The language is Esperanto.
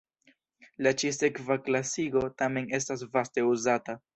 La ĉi-sekva klasigo tamen estas vaste uzata.